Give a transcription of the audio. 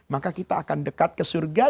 maka kita akan dekat ke surga